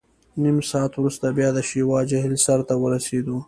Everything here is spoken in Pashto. نیم ساعت وروسته بیا د شیوا جهیل سر ته ورسېدو.